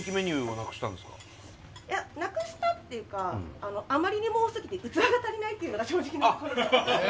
いやなくしたっていうかあまりにも多すぎて器が足りないっていうのが正直なところで。